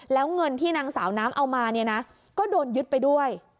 แล้วเงินที่นางสาวน้ำเอามาเนี่ยนะก็โดนยึดไปด้วย